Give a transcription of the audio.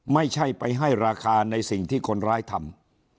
ไม่ใช่ไปให้ราคาในสิ่งที่คนร้ายทำ